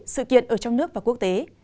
sự kiện ở trong nước và quốc tế